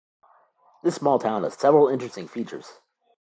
This small town has several interesting features.